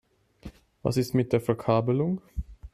Was ist mit der Verkabelung?